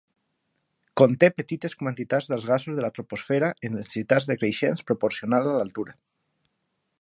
Conté petites quantitats dels gasos de la troposfera en densitats decreixents proporcional a l'altura.